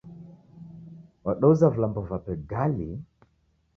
W'adeuza vilambo vape ghali